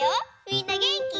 みんなげんき？